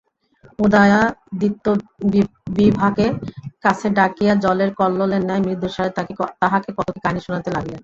উদয়াদিত্য বিভাকে কাছে ডাকিয়া জলের কল্লোলের ন্যায় মৃদুস্বরে তাহাকে কত কি কাহিনী শুনাইতে লাগিলেন।